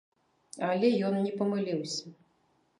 Але ён не памыліўся.